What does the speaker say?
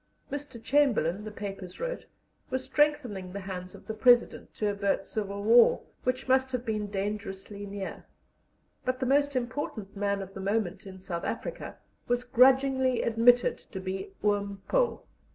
Mr. Chamberlain, the papers wrote, was strengthening the hands of the President, to avert civil war, which must have been dangerously near; but the most important man of the moment in South Africa was grudgingly admitted to be "Oom Paul."